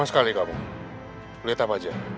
sekali kamu lihat apa aja